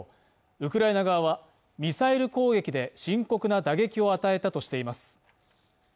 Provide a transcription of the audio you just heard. ウクライナ側はミサイル攻撃で深刻な打撃を与えたとしています